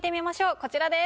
こちらです。